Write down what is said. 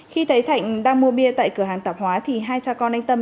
khi thấy thạnh đang mua bia tại cửa hàng tạp hóa thì hai cha con anh tâm